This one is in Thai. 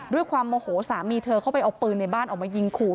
ด้วยความโมโหสามีเธอเข้าไปเอาปืนในบ้านออกมายิงขู่